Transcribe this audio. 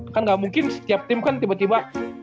kan gak mungkin setiap tim kan tiba tiba